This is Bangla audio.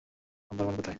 নাম্বার ওয়ান কোথায়?